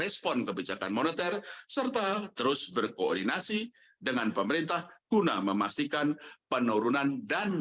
selamat siang pak ferry